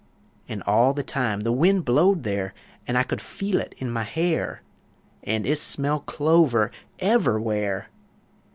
An' all the time, the wind blowed there, An' I could feel it in my hair, An' ist smell clover _ever'_where!